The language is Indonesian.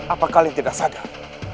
apakah kalian tidak sadar